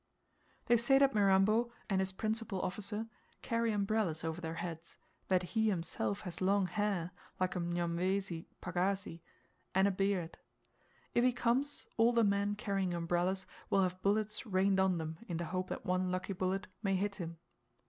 They say that Mirambo, and his principal officer, carry umbrellas over their heads, that he himself has long hair like a Mnyamwezi pagazi, and a beard. If he comes, all the men carrying umbrellas will have bullets rained on them in the hope that one lucky bullet may hit him.